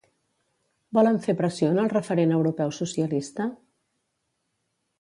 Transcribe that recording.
Volen fer pressió en el referent europeu socialista?